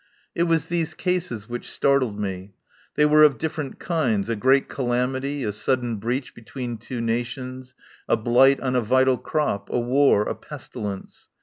It was these cases which startled me. They were of different kinds — a great calamity, a sudden breach between two nations, a blight on a vital crop, a war, a pestilence.